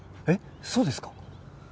えっそうですか？